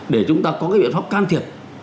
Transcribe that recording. để chúng ta có cái biện pháp can thiệp